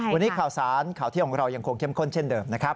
วันนี้ข่าวสารข่าวเที่ยงของเรายังคงเข้มข้นเช่นเดิมนะครับ